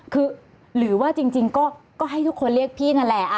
คือหรือว่าจริงก็ให้ทุกคนเรียกพี่นั่นแหละ